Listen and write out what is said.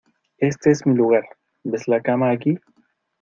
Éste es mi lugar, ¿ ves la cama aquí?